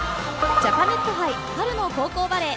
ジャパネット杯春の高校バレー